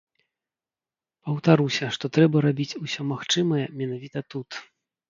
Паўтаруся, што трэба рабіць усё магчымае менавіта тут.